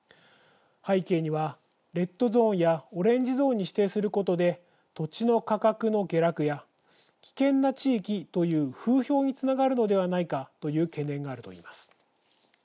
背景には、レッドゾーンやオレンジゾーンに指定することで土地の価格の下落や危険な地域という風評につながるのではないかという懸念があるといいます。